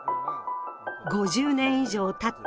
５０年以上たった